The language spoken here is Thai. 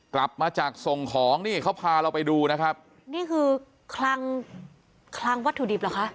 กลับมาจากส่งของนี่เขาพาเราไปดูนะครับนี่คือคลังคลังวัตถุดิบเหรอคะ